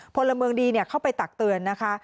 พลเมืองดีเข้าไปตักเตือนนะคะ